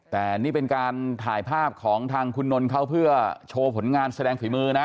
แต่นี่เป็นการถ่ายภาพของทางคุณนนท์เขาเพื่อโชว์ผลงานแสดงฝีมือนะ